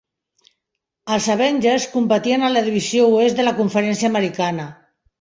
Els Avengers competien a la Divisió Oest de la Conferència Americana.